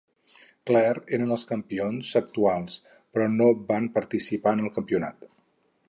Clare eren els campions actuals però no van participar en el campionat.